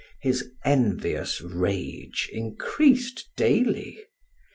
His envious rage increased daily.